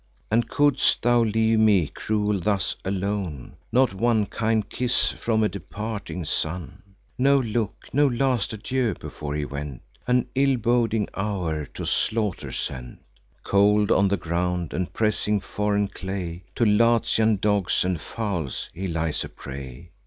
And could'st thou leave me, cruel, thus alone? Not one kind kiss from a departing son! No look, no last adieu before he went, In an ill boding hour to slaughter sent! Cold on the ground, and pressing foreign clay, To Latian dogs and fowls he lies a prey!